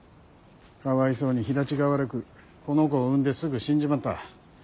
かわいそうに肥立ちが悪くこの子を産んですぐ死んじまった。